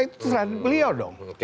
itu terserah beliau dong